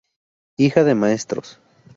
Hija de maestros.